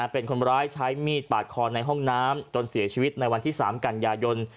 เป็นคนร้ายใช้มีดปาดคอในห้องน้ำจนเสียชีวิตในวันที่๓กันยายน